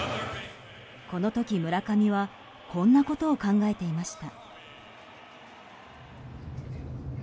この時、村上はこんなことを考えていました。